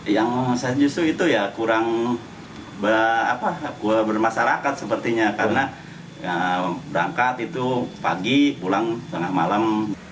yang justru itu ya kurang bermasyarakat sepertinya karena berangkat itu pagi pulang tengah malam